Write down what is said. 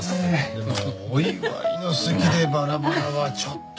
でもお祝いの席でバラバラはちょっと。